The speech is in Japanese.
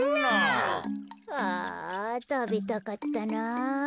・ああたべたかったなあ。